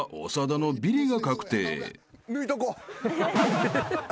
抜いとこう。